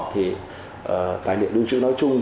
thì tài liệu liêu chữ nói chung